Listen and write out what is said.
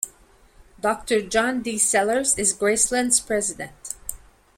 Doctor John D. Sellars is Graceland's president.